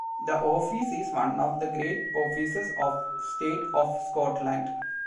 The office is one of the Great Officers of State of Scotland.